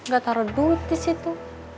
gak taro duit disitu